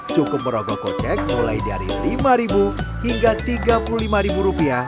cukup merogoh kocek mulai dari lima hingga tiga puluh lima rupiah